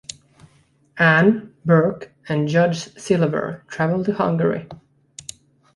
Anne, Burke, and Judge Silver travel to Hungary.